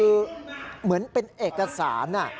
คือเหมือนเป็นเอกสาร